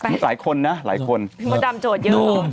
นี่หลายคนนะหลายคนดูมมดดำโจทย์เยอะ